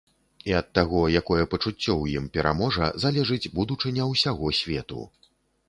І ад таго, якое пачуццё ў ім пераможа, залежыць будучыня ўсяго свету.